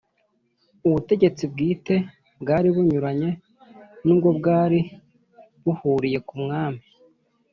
ubutegetsi bwite bwari bunyuranye, n'ubwo bwari buhuriye ku mwami.